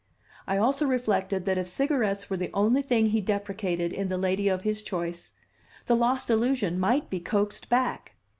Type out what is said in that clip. I also reflected that if cigarettes were the only thing he deprecated in the lady of his choice, the lost illusion might be coaxed back.